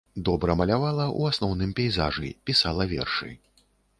Добра малявала, у асноўным пейзажы, пісала вершы.